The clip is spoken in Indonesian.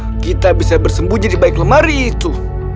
bagaimana kita bisa bersembunyi di balik lemari itu